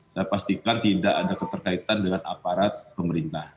saya pastikan tidak ada keterkaitan dengan aparat pemerintah